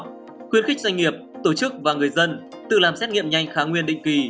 khuyến khích doanh nghiệp tổ chức và người dân tự làm xét nghiệm nhanh khá nguyên định kỳ